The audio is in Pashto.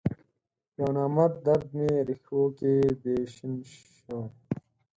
یونامرد درد می رېښوکې دی شین شوی